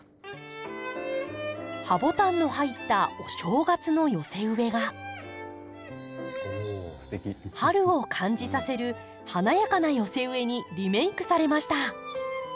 ハボタンの入ったお正月の寄せ植えが春を感じさせる華やかな寄せ植えにリメイクされました。